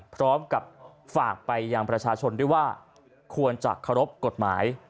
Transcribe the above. พร้อมกับฝากไปยังประชาชนด้วยว่าควรจะเคารพกฎหมาย